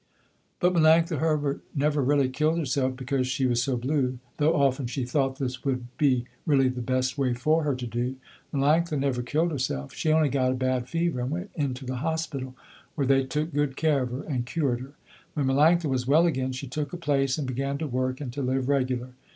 But Melanctha Herbert never really killed herself because she was so blue, though often she thought this would be really the best way for her to do. Melanctha never killed herself, she only got a bad fever and went into the hospital where they took good care of her and cured her. When Melanctha was well again, she took a place and began to work and to live regular.